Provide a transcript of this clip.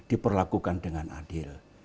diperlakukan dengan adil